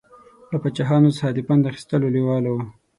له پاچاهانو څخه د پند اخیستلو لېواله و.